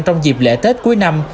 trong dịp lễ tết cuối năm